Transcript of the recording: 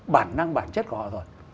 bản năng bản chất của họ rồi